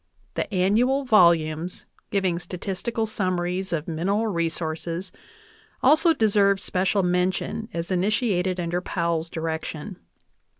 The annual volumes giving statistical summaries of mineral resources also deserve special mention as initiated under Powell's direction.